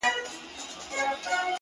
o چي يو ځل بيا څوک په واه ،واه سي راته،